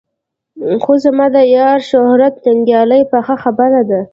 خو زما د یار شهرت ننګیال پخه خبره ده.